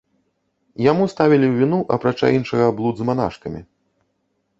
Яму ставілі ў віну апрача іншага блуд з манашкамі.